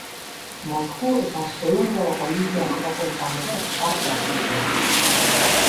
Mosku eta Seulgo Olinpiar Jokoetan ere parte hartu zuen.